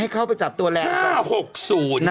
๕๖๐๐ก้าวเมียนา้น